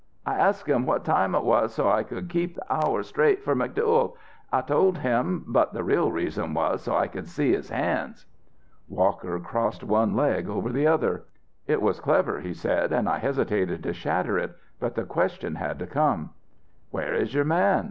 I asked him what time it was so I could keep the hour straight for McDuyal, I told him, but the real reason was so I could see his hands.'" Walker crossed one leg over the other. "It was clever," he said, "and I hesitated to shatter it. But the question had to come. "'Where is your man?'